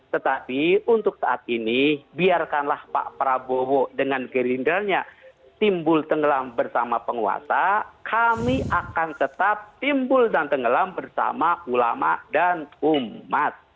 tetapi untuk saat ini biarkanlah pak prabowo dengan gerindra nya timbul tenggelam bersama penguasa kami akan tetap timbul dan tenggelam bersama ulama dan umat